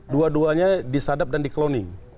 dua duanya disadap dan di cloning